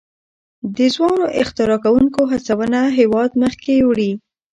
د ځوانو اختراع کوونکو هڅونه هیواد مخکې وړي.